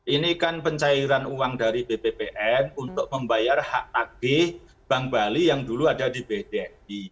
ini kan pencairan uang dari bppn untuk membayar hak tagih bank bali yang dulu ada di bdni